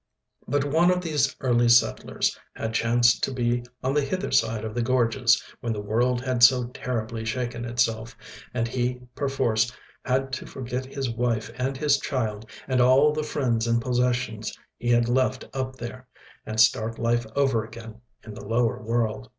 But one of these early settlers had chanced to be on the hither side of the gorges when the world had so terribly shaken itself, and he perforce had to forget his wife and his child and all the friends and possessions he had left up there, and start life over again in the lower world.